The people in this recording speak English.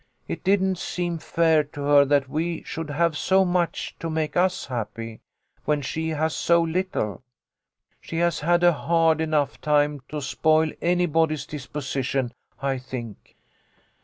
It didn't seem fair to her that we should have so much to make us happy, when she has so little. She has had a hard enough time to spoil anybody's disposition, I think."